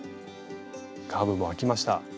カーブもあきました。